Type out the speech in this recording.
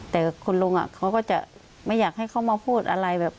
แต่คุณลุงเขาก็จะไม่อยากให้เขามาพูดอะไรแบบ